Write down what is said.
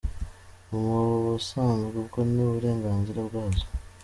Mu busanzwe, ubwo ni uburenganzira bwazo.